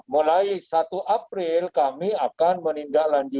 mulai satu april kami akan meninggal lanjut